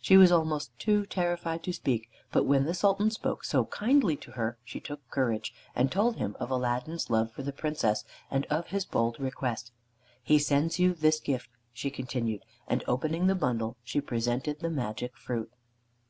She was almost too terrified to speak, but when the Sultan spoke so kindly to her she took courage, and told him of Aladdin's love for the Princess, and of his bold request, "He sends you this gift," she continued, and opening the bundle she presented the magic fruit.